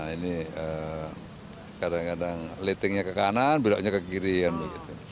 ini kadang kadang litingnya ke kanan belakangnya ke kiri dan begitu